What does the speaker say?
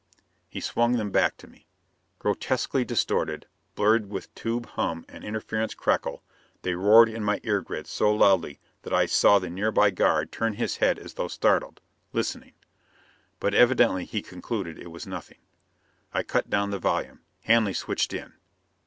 He swung them back to me. Grotesquely distorted, blurred with tube hum and interference crackle, they roared in my ear grids so loudly that I saw the nearby guard turn his head as though startled. Listening.... But evidently he concluded it was nothing. I cut down the volume. Hanley switched in.